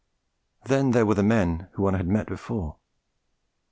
Then there were the men one had met before.